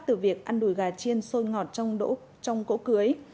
từ việc ăn đùi gà chiên sôi ngọt trong cỗ cưới